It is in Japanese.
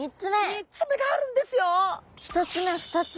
３つ目があるんですよ！